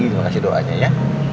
terima kasih doanya ya